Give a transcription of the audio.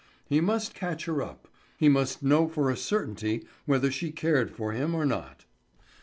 He must catch her up; he must know for a certainty whether she cared for him or not.